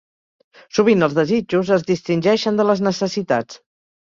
Sovint els desitjos es distingeixen de les necessitats.